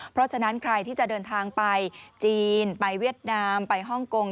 เพราะฉะนั้นใครที่จะเดินทางไปจีนไปเวียดนามไปฮ่องกง